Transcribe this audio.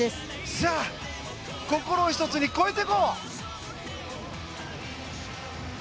さあ、心を一つに超えていこう！